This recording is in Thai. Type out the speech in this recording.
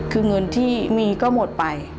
คือเงินที่มีก็หมดไป